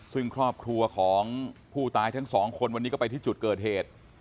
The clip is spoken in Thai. ซึ่งครอบครัวของผู้ตายทั้งสองคนวันนี้ก็ไปที่จุดเกิดเหตุ